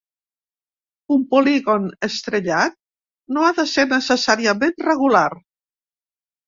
Un polígon estrellat no ha de ser necessàriament regular.